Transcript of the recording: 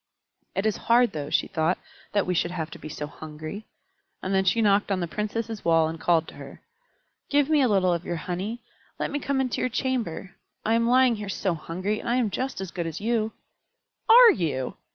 "It is hard, though," she thought, "that we should have to be so hungry." And then she knocked on the Princess' wall and called to her, "Give me a little of your honey. Let me come into your chamber. I am lying here so hungry, and I am just as good as you." "Are you?